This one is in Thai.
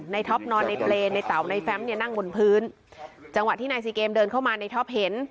ท็อปนอนในเปรย์ในเต่าในแฟมเนี่ยนั่งบนพื้นจังหวะที่นายซีเกมเดินเข้ามาในท็อปเห็น